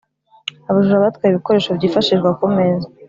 abajura batwaye ibikoresho byifashishwa ku meza